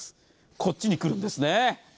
こっちに来るんですね。